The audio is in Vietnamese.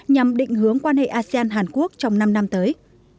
nhằm định hướng quan hệ asean hàn quốc trong năm năm tới